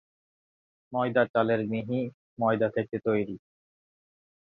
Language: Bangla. ময়দা চালের মিহি ময়দা থেকে তৈরি।